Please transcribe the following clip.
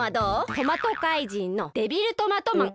トマトかいじんのデビルトマトマン。